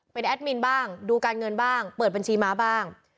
เป็นแอดมินบ้างดูการเงินบ้างเปิดบัญชีม้าบ้าง